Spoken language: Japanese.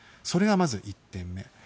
それがまず１点目。